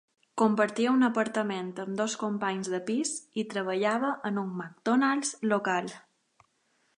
Compartia un apartament amb dos companys de pis i treballava en un McDonald's local.